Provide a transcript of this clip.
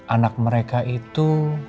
anak mereka itu